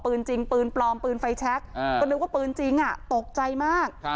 ปืนจริงปืนปลอมปืนไฟแช็คก็นึกว่าปืนจริงตกใจมาก